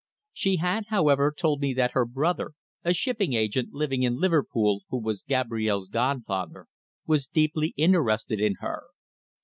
She had, however, told me that her brother, a shipping agent living in Liverpool, who was Gabrielle's godfather, was deeply interested in her.